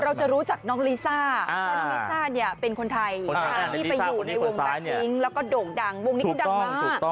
เราจะรู้จักน้องลิซ่าเพราะน้องลิซ่าเนี่ยเป็นคนไทยที่ไปอยู่ในวงแบ็คทิ้งแล้วก็โด่งดังวงนี้เขาดังมาก